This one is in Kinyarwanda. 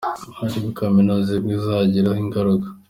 Hari abo Kaminuza imwe izagiraho ingaruka